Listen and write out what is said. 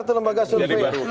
itu lembaga survei